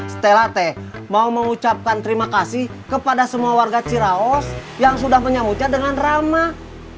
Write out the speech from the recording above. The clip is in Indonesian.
stelate mau mengucapkan terima kasih kepada semua warga ciraos yang sudah menyambutnya dengan ramah